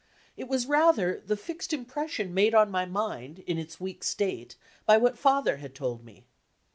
It was rather the fixed impression made on my mind in its weak state by what Father had told me.